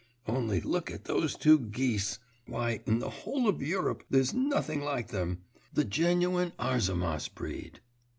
Only look at those two geese; why, in the whole of Europe there's nothing like them! The genuine Arzamass breed!